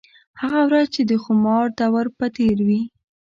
هغه ورځ چې د خومار دَور به تېر وي